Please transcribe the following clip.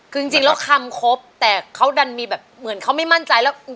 คือจริงแล้วคำครบแต่เขาดันมีแบบเหมือนเขาไม่มั่นใจแล้ว